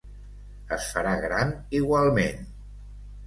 Es farà gran igualment.